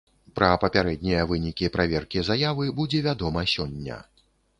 Пра папярэднія вынікі праверкі заявы будзе вядома сёння.